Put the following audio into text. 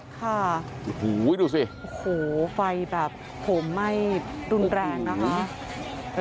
ค่ะโอ้โหดูสิโอ้โหไฟแบบโหมไหม้รุนแรงนะคะ